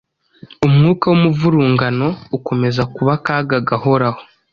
umwuka w’umuvurungano ukomeza kuba akaga gahoraho